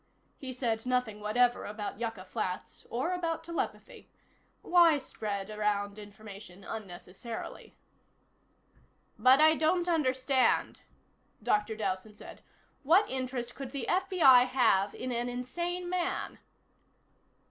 He said nothing whatever about Yucca Flats, or about telepathy. Why spread around information unnecessarily? "But I don't understand," Dr. Dowson said. "What interest could the FBI have in an insane man?"